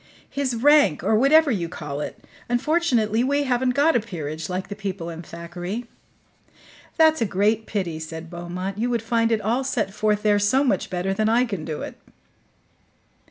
"His rank, or whatever you call it. Unfortunately we haven't got a PEERAGE, like the people in Thackeray." "That's a great pity," said Beaumont. "You would find it all set forth there so much better than I can do it."